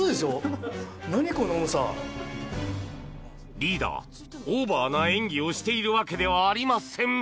リーダー、オーバーな演技をしているわけではありません！